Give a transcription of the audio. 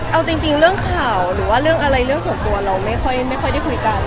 เอาจริงเรื่องข่าวหรือว่าเรื่องอะไรเรื่องส่วนตัวเราไม่ค่อยได้คุยกัน